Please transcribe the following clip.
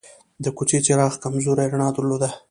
د کوڅې څراغ کمزورې رڼا درلوده.